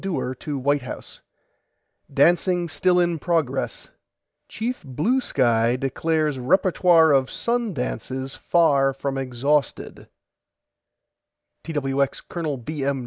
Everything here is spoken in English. DEWAR TO WHITE HOUSE: DANCING STILL IN PROGRESS CHIEF BLUE SKY DECLARES REPERTOIRE OF SUN DANCES FAR FROM EXHAUSTED TWX COL. B. M.